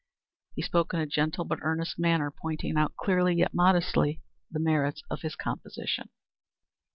He spoke in a gentle but earnest manner, pointing out clearly, yet modestly, the merits of his composition.